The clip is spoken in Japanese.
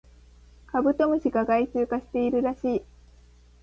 カブトムシが害虫化しているらしい